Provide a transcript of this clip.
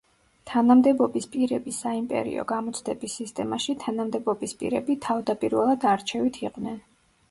თანამდებობის პირები საიმპერიო გამოცდების სისტემაში თანამდებობის პირები თავდაპირველად არჩევით იყვნენ.